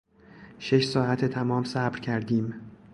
شش ساعت تمام صبر کردیم.